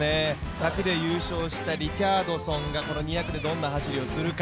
昨年優勝したリチャードソンが２００でどんな走りをするか。